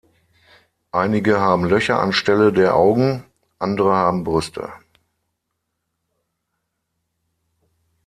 Einige haben Löcher anstelle der Augen, andere haben Brüste.